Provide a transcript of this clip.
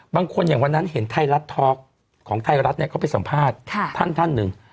บางคนอย่างวันนั้นเห็นไทยรัฐท็อกของไทยรัฐเนี่ยเขาไปสัมภาษณ์ท่านท่านหนึ่ง